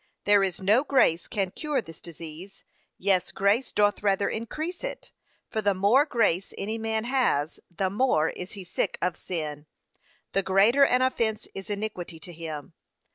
There is no grace can cure this disease; yes, grace doth rather increase it; for the more grace any man has, the more is he sick of sin; the greater an offence is iniquity to him.